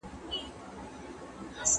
ایا مسلمان د منکراتو د منع کولو وسع لري؟